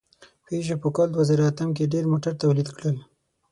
پيژو په کال دوهزرهاتم کې ډېر موټر تولید کړل.